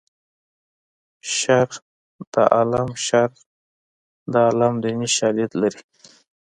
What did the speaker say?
شر د عالم شر د عالم دیني شالید لري